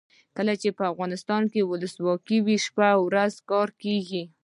کله چې افغانستان کې ولسواکي وي شپه او ورځ کار کیږي.